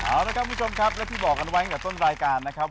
เอาละครับคุณผู้ชมครับแล้วที่บอกกันไว้ตั้งแต่ต้นรายการนะครับ